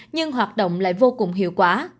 nhưng hoạt động lại vô cùng hiệu quả